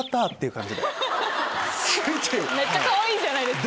めっちゃかわいいじゃないですか。